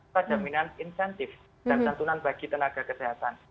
atau jaminan insentif dan santunan bagi tenaga kesehatan